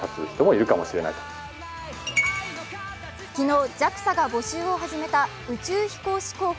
昨日ＪＡＸＡが募集を始めた宇宙飛行士候補。